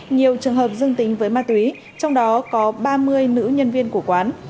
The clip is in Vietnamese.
nhiều trường hợp dương tính với ma túy trong đó có ba mươi nữ nhân viên của quán